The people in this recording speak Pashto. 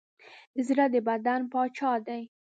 زړه د بدن پاچا دی.